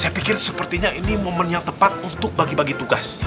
saya pikir sepertinya ini momen yang tepat untuk bagi bagi tugas